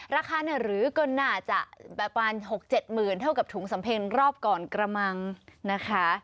ราคาเนี่ยหรือก็น่าจะประมาณ๖๗หมื่นเท่ากับถุงสำเพ็ญรอบก่อนกระมังนะคะ